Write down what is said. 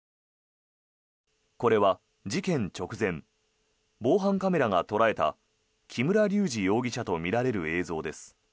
これは事件直前防犯カメラが捉えた木村隆二容疑者とみられる映像です。